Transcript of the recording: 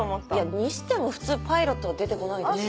にしても普通パイロットは出てこないでしょ。